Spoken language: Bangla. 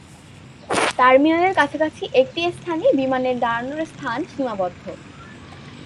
টার্মিনালের কাছাকাছি একটি স্থানেই বিমানের দাঁড়ানোর স্থান সীমাবদ্ধ।